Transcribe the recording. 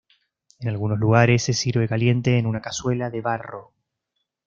En algunos lugares se sirve caliente en una cazuela de barro.